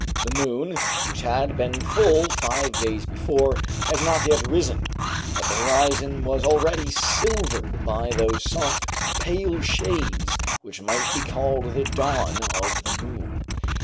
The moon, which had been full five days before, had not yet risen, but the horizon was already silvered by those soft, pale shades which might be called the dawn of the moon.